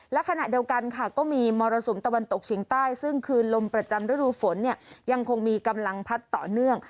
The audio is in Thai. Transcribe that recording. และขณะเดียวกันค่ะก็มีมรสุมตะวันตกเฉียงใต้ซึ่งคือลมประจำฤดูฝนเนี่ยยังคงมีกำลังพัดต่อเนื่อง